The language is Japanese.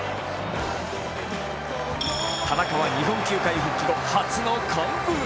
田中は日本球界復帰後初の完封。